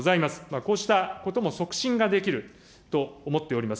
こうしたことも促進ができると思っております。